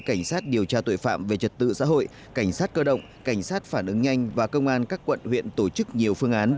cảnh sát điều tra tội phạm về trật tự xã hội cảnh sát cơ động cảnh sát phản ứng nhanh và công an các quận huyện tổ chức nhiều phương án